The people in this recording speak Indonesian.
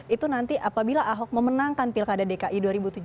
itu nanti apabila ahok memenangkan pilkada dki dua ribu tujuh belas